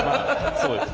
そうですね。